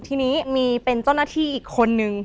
ทีนี้มีเป็นเจ้าหน้าที่อีกคนนึง